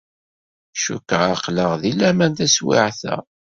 Cukkeɣ aql-aɣ di laman taswiɛt-a.